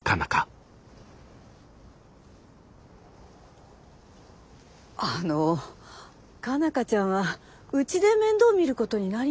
あの佳奈花ちゃんはうちで面倒見ることになりましたよね？